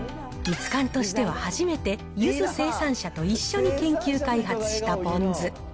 ミツカンとしては初めて、ゆず生産者と一緒に研究開発したポン酢。